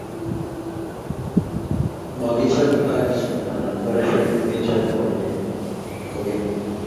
Makichob Haji anan ko Rashid kechob kokeny.